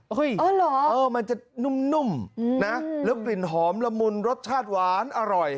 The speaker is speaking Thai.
มันจะนุ่มนะแล้วกลิ่นหอมละมุนรสชาติหวานอร่อย